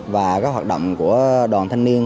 và các hoạt động của đoàn thanh niên